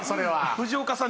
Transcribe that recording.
藤岡さん。